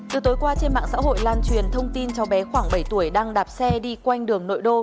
từ tối qua trên mạng xã hội lan truyền thông tin cháu bé khoảng bảy tuổi đang đạp xe đi quanh đường nội đô